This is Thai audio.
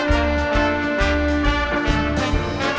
โปรดติดตามตอนต่อไป